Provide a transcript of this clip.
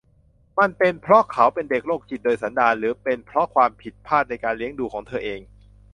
มันเป็นเพราะเขาเป็นเด็กโรคจิตโดยสันดาน หรือเป็นเพราะความผิดพลาดในการเลี้ยงดูของเธอเอง